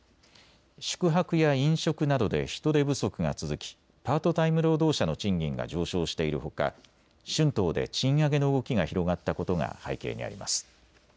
宿泊や飲食などで人手不足が続きパートタイム労働者の賃金が上昇しているほか春闘で賃上げの動きが広がったことが背景にあります。